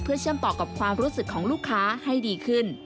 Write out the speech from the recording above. เพื่อเชื่อมต่อกับความรู้สึกของลูกค้าให้ดีขึ้น